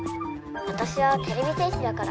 わたしはてれび戦士だから」。